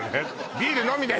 ビールのみで！